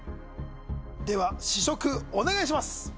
では試食お願いします